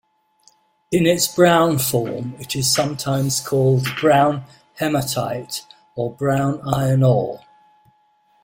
In its brown form it is sometimes called brown hematite or brown iron ore.